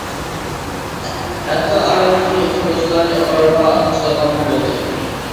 ھەتتا ئارىمىزدىكى يېقىن دوستلارنى ئارىغا سالغانمۇ بولدى.